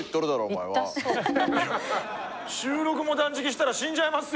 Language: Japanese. いや週６も断食したら死んじゃいますよ。